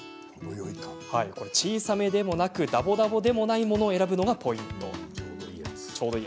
小さめでもなくだぼだぼでもないものを選ぶのがポイント。